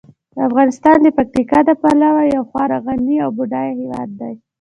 افغانستان د پکتیکا له پلوه یو خورا غني او بډایه هیواد دی.